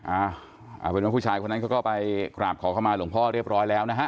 อ่าอาวินวันผู้ชายคนนั้นก็ไปกราบคอหมาหลวงพ่อเรียบร้อยแล้วนะฮะ